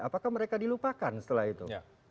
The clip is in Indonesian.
apakah mereka dilupakan setelah itu